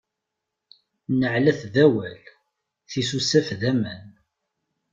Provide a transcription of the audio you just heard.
Nneɛlat d awal, tisusaf d aman.